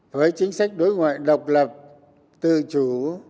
với chính sách đối ngoại độc lập tự chủ